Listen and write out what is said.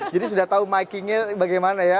jadi sudah tahu mic nya bagaimana ya